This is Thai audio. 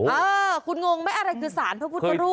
เออคุณงงไหมอะไรคือสารพระพุทธรูป